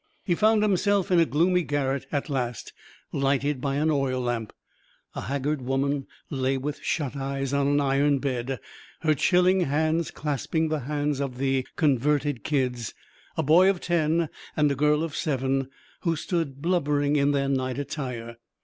He found himself in a gloomy garret at last, lighted by an oil lamp. A haggard woman lay with shut eyes on an iron bed, her chilling hands clasping the hands of the "converted" kids, a boy of ten and a girl of seven, who stood blubbering in their night attire.